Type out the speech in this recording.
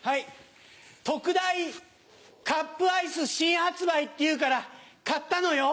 特大カップアイス新発売っていうから買ったのよ。